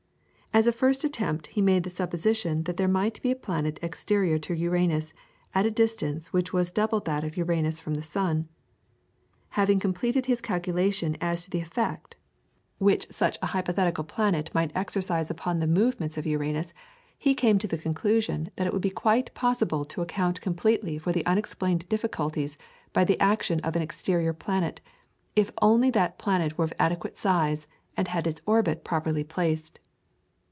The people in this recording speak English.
As a first attempt he made the supposition that there might be a planet exterior to Uranus, at a distance which was double that of Uranus from the sun. Having completed his calculation as to the effect which such a hypothetical planet might exercise upon the movement of Uranus, he came to the conclusion that it would be quite possible to account completely for the unexplained difficulties by the action of an exterior planet, if only that planet were of adequate size and had its orbit properly placed.